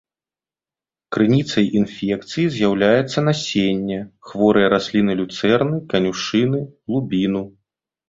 Крыніцай інфекцыі з'яўляецца насенне, хворыя расліны люцэрны, канюшыны, лубіну.